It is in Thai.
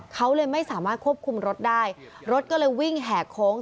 เขาเลยไม่สามารถควบคุมรถได้รถก็เลยวิ่งแห่โค้ง